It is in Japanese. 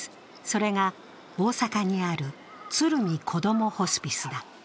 それが大阪にあるＴＳＵＲＵＭＩこどもホスピスだ。